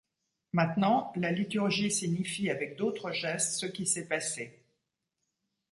Maintenant, la liturgie signifie avec d'autres gestes ce qui s'est passé.